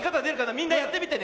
みんなやってみてね。